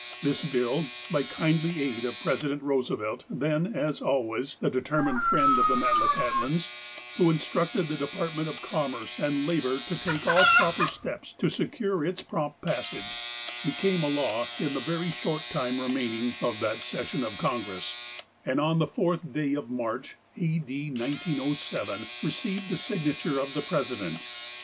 This bill, by the kindly aid of President Eoose velt, then, as always, the determined friend of the Met lakahtlaus, who instructed the Department of Commerce and Labour to take all proper steps to secure its prompt passage, became a law in the very short time remaining SOME METLAKAHTLA HISTORY 319 of that session of Congress, and, on the 4tli day of Marcli, A. D. 1907, received the signature of the President.